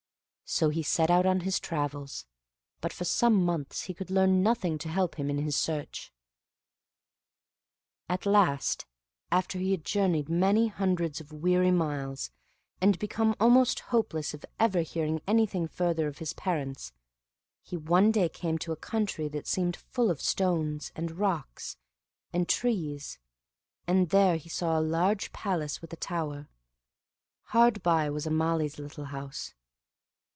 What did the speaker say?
So he set out on his travels; but for some months he could learn nothing to help him in his search. At last, after he had journeyed many hundreds of weary miles, and become almost hopeless of ever hearing anything further of his parents, he one day came to a country that seemed full of stones, and rocks, and trees, and there he saw a large palace with a tower; hard by was a Malee's little house.